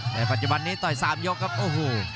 แต่ปัจจุบันนี้ต่อย๓ยกครับโอ้โห